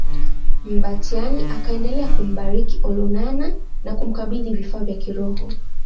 Mbatiany akaendelea kumbariki Olonana na kumkabidhi vifaa vya kiroho